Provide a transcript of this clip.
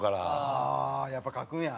ああやっぱりかくんや。